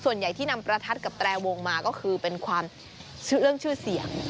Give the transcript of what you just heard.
ส่วนใหญ่ที่นำประทัดกับแตรวงมาก็คือเป็นความเรื่องชื่อเสียง